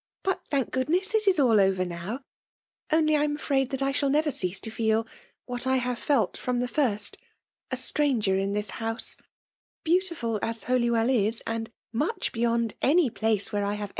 But, •thank goodness, it is aU over now. OAj I Am a&aid that I fihaH never cease to A^ what I have tAt firom the &st, a stnoiger'te this house. Beautiful as Holywell is, 'aai much beyond any place where I have